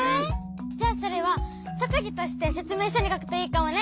じゃあそれはとくぎとしてせつめいしょにかくといいかもね。